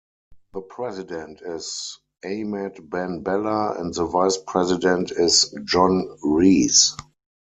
The President is Ahmed Ben Bella and the Vice-President is John Rees.